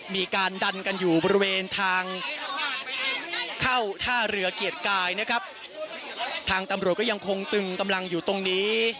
มีการดันกันอยู่บริเวณทางเข้าท่าเรือเกียรติกายนะครับทางตำรวจก็ยังคงตึงกำลังอยู่ตรงนี้